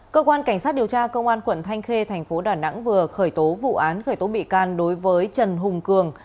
cơ quan cảnh sát điều tra công an quận thanh khê thành phố đà nẵng vừa khởi tố vụ án khởi tố bị can đối với trần hùng cường